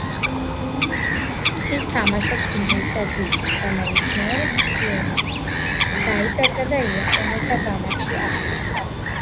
ის თამაშობს ინგლისელ ბიჭს, რომელიც მეორე მსოფლიო ომის დროს დაიკარგა და იაპონელთა ბანაკში აღმოჩნდა.